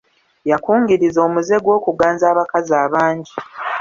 Yakungiriza omuzze gw'okuganza amakazi abangi.